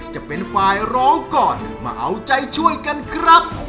จะเป็นฝ่ายร้องก่อนมาเอาใจช่วยกันครับ